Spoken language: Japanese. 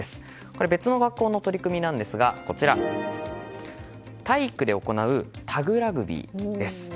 これは別の学校の取り組みですが体育で行うタグラグビーです。